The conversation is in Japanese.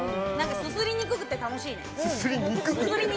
すすりにくくて楽しいね！